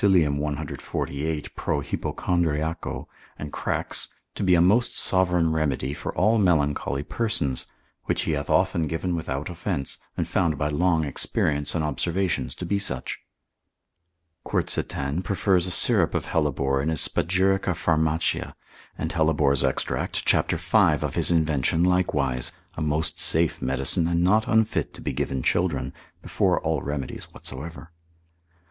148. pro hypochondriaco, and cracks, to be a most sovereign remedy for all melancholy persons, which he hath often given without offence, and found by long experience and observations to be such. Quercetan prefers a syrup of hellebore in his Spagirica Pharmac. and Hellebore's extract cap. 5. of his invention likewise (a most safe medicine and not unfit to be given children) before all remedies whatsoever.